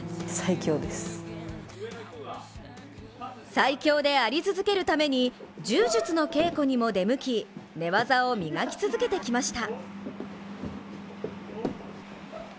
最強であり続けるために柔術の稽古にも出向き寝技を磨き続けてきました。